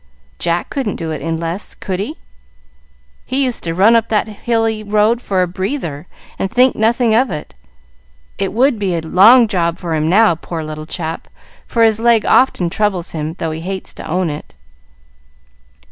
"Jack couldn't do it in less, could he?" "He used to run up that hilly road for a breather, and think nothing of it. It would be a long job for him now, poor little chap, for his leg often troubles him, though he hates to own it."